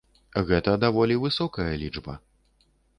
Гэта даволі высокая лічба.